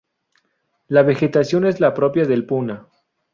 La vegetación es la propia del Puna.